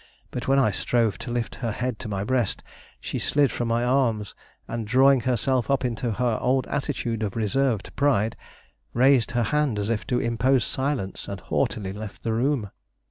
But when I strove to lift her head to my breast, she slid from my arms, and drawing herself up into her old attitude of reserved pride, raised her hand as if to impose silence, and haughtily left the room.